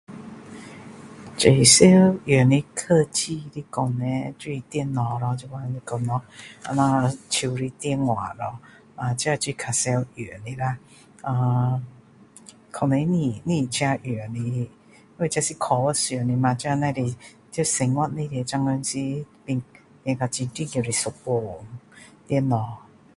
最常用的科技来说叻就是电脑咯现在就说咯就像手的电话咯啊这就是较常用的啦呃可能不不是自己用的因为这是科学上的吗这只是这生活上的吗变变到很重要的一部份电脑